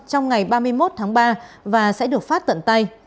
trong ngày ba mươi một tháng ba và sẽ được phát tận tay